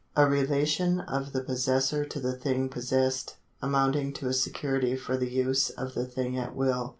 A relation of the possessor to the thing possessed, amounting to a security for the use of the thing at will.